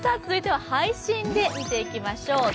続いては、配信で見ていきましょう。